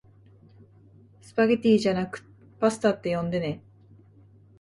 スパゲティじゃなくパスタって呼んでね